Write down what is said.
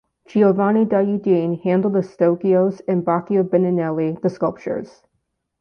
Giovanni da Udine handled the stuccoes and Baccio Bandinelli the sculptures.